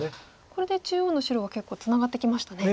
これで中央の白は結構ツナがってきましたね。